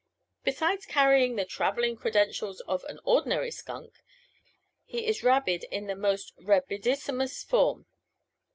Besides carrying the traveling credentials of an ordinary skunk, he is rabid in the most rabidissimus form.